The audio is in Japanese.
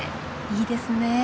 いいですねえ！